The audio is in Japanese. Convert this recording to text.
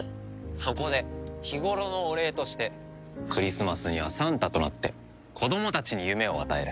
そこで日頃のお礼としてクリスマスにはサンタとなって子どもたちに夢を与える。